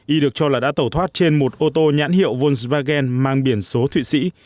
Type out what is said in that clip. y được cho là đã tẩu thoát trên một ô tô nhãn hiệu volkswagen mang biển số thủy sĩ